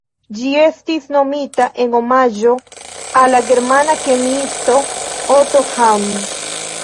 Ĝi estis nomita en omaĝo al la germana kemiisto Otto Hahn.